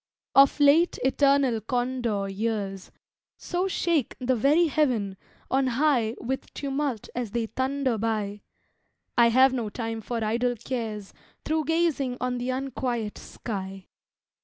Of late, eternal Condor years So shake the very Heaven on high With tumult as they thunder by, I have no time for idle cares Through gazing on the unquiet sky.